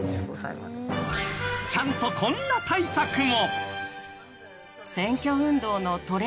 ちゃんとこんな対策も。